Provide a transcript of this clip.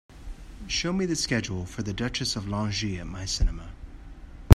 show me the schedule for The Duchess of Langeais at my cinema